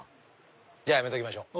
じゃあやめときましょう。